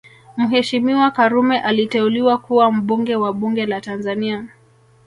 Mheshimiwa Karume aliteuliwa kuwa mbunge wa bunge la Tanzania